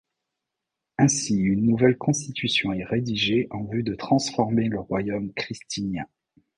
Ainsi une nouvelle Constitution est rédigée en vue de transformer le royaume christinien.